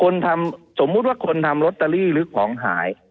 ทำสมมุติว่าคนทำลอตเตอรี่หรือของหาย